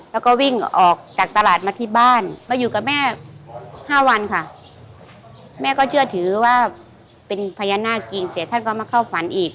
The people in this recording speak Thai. แล้วก็วิ่งออกจากตลาดมาที่บ้านมาอยู่กับแม่ห้าวันค่ะแม่ก็เชื่อถือว่าเป็นพญานาคจริงแต่ท่านก็มาเข้าฝันอีก